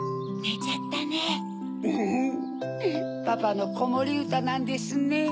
パパのこもりうたなんですね。